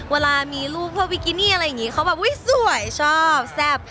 เวลามีรูปพ่อบิกินีอะไรอย่างงี้เขาแบบให้สวยซับซ้ำ